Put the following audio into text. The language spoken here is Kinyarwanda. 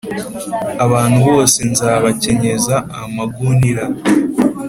abantu bose nzabakenyeza amagunira,